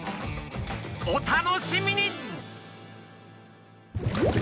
お楽しみに！